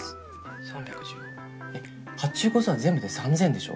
３１５えっ発注個数は全部で３０００でしょ？